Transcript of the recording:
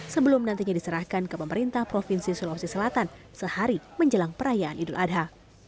sebelum nantinya diserahkan ke pemerintah provinsi sulawesi selatan sehari menjelang perayaan idul adha